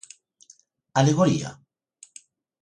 Alegoría?